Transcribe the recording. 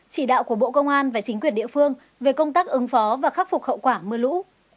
chỉ đạo của bộ công an và chính quyền địa phương về công tác ứng phó và khắc phục hậu quả mưa lũ